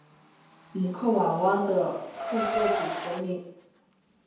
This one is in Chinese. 姆克瓦瓦的赫赫族首领。